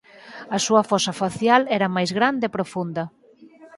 A súa fosa facial era máis grande e profunda.